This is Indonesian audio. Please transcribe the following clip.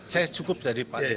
saya cukup dari pak